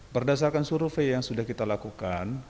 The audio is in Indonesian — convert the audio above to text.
berdasarkan survei yang sudah kita lakukan